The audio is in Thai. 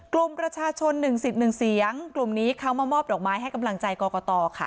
กลุ่มประชาชน๑๑เสียงกลุ่มนี้เขามามอบดอกไม้ให้กำลังใจกรกตค่ะ